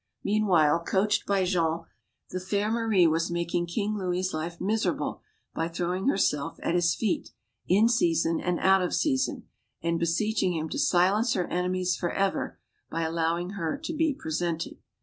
Meanwhile, coached by Jean, the fair Marie was making King Louis' life miserable by throwing herself at his feet, in season and out of season, and beseeching him to silence her enemies forever by allowing her to be presented.